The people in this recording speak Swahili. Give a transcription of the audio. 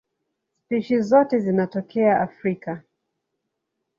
Spishi zote zinatokea Afrika.